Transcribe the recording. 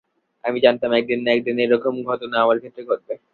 আমি জানতাম একদিন-না-একদিন এ-রকম ঘটনা আমার ক্ষেত্রে ঘটবে।